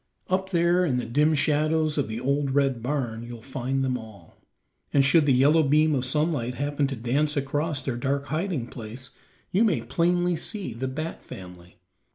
Up there in the dim shadows of the old red barn you'll find them all, and should the yellow beam of sunlight happen to dance across their dark hiding place, you may plainly see the bat family.